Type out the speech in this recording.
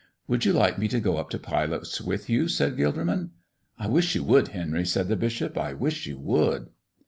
"Would you like me to go up to Pilate's with you?" asked Gilderman. "I wish you would, Henry," said the bishop. "I wish you would."